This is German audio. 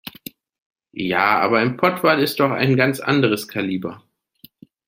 Ja, aber ein Pottwal ist noch mal ein ganz anderes Kaliber.